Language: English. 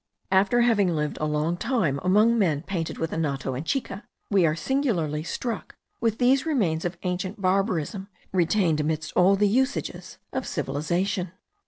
After having lived a long time among men painted with anato and chica, we are singularly struck with these remains of ancient barbarism retained amidst all the usages of civilization.